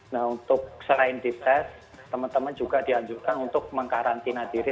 nah untuk selain dites teman teman juga dianjurkan untuk mengkarantina diri